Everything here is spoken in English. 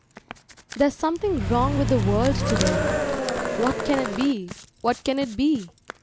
There's something wrong with the world to day, What can it be, what can it be?